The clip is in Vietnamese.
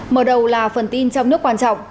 mở đầu là phần tin trong nước quan trọng